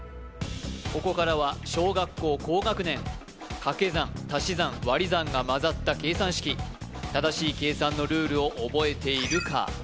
ここからは小学校高学年かけ算足し算割り算が交ざった計算式正しい計算のルールを覚えているか？